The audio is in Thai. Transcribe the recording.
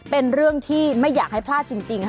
เป็นเรื่องที่ไม่อยากให้พลาดจริงค่ะ